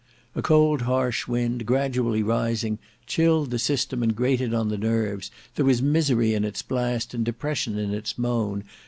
A cold harsh wind, gradually rising, chilled the system and grated on the nerves. There was misery in its blast and depression in its moan.